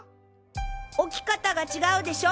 置き方が違うでしょ